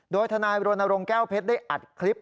โดยธนายบริโรนโรงแก้วเพชรได้อัดคลิป